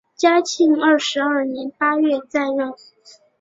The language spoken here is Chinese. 嘉庆二十二年八月再任。